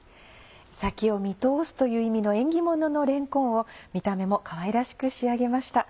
「先を見通す」という意味の縁起物のれんこんを見た目もかわいらしく仕上げました。